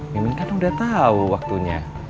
mimin kan udah tau waktunya